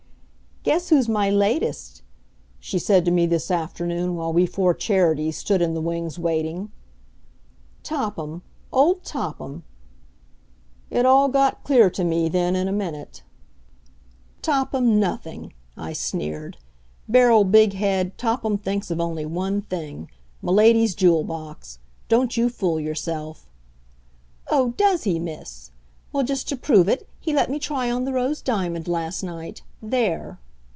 "Guess who's my latest," she said to me this afternoon, while we four Charities stood in the wings waiting. "Topham old Topham!" It all got clear to me then in a minute. "Topham nothing!" I sneered. "Beryl Big head, Topham thinks of only one thing Milady's jewel box. Don't you fool yourself." "Oh, does he, Miss! Well, just to prove it, he let me try on the rose diamond last night. There!"